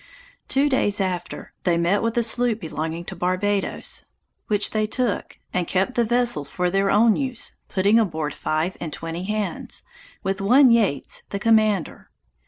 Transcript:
Two days after, they met with a sloop belonging to Barbadoes, which they took, and kept the vessel for their own use, putting aboard five and twenty hands, with one Yeates the commander.